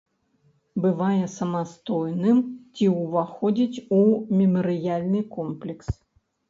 Бывае самастойным ці ўваходзіць у мемарыяльны комплекс.